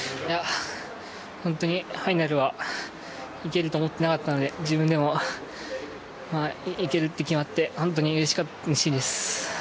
本当にファイナルは行けると思っていなかったので自分でも行けるって決まって本当にうれしいです。